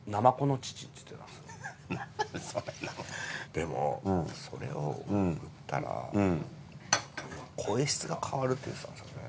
でもそれを売ったら声質が変わるって言ってたんですよね。